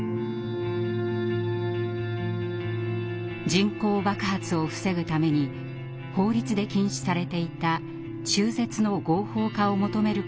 人口爆発を防ぐために法律で禁止されていた中絶の合法化を求める声が高まります。